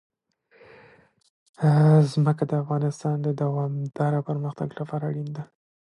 ځمکه د افغانستان د دوامداره پرمختګ لپاره اړین دي.